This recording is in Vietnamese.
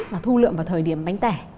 và thu lượm vào thời điểm bánh tẻ